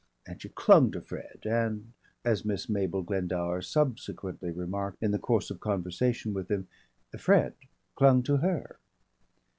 And she clung to Fred and, as Miss Mabel Glendower subsequently remarked in the course of conversation with him, Fred clung to her.